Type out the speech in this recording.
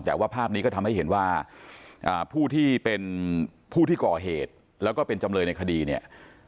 แต่ว่าภาพนี้ก็ทำให้เห็นว่าผู้ที่เป็นผู้ที่ก่อเหตุแล้วก็เป็นจำเลยในคดีเนี่ย